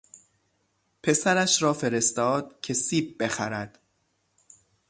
پسرش را فرستاد که سیب بخرد.